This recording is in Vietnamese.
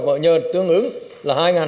mỡ nhờn tương ứng là